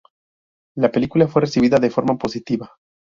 La película fue recibida de forma positiva.